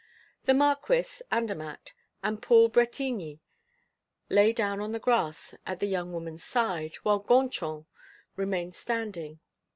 The Marquis, Andermatt, and Paul Bretigny lay down on the grass at the young woman's side, while Gontran remained standing.